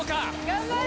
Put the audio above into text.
頑張れ！